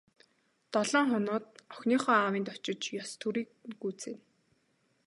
Долоо хоноод охиныхоо аавынд очиж ёс төрийг нь гүйцээнэ.